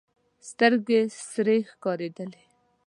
سترګې سرې ښکارېدلې.